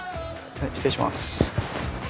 失礼します。